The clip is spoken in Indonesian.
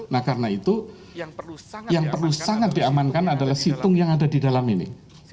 nah karena itu yang perlu sangat diamankan adalah situng yang ada di dalam ini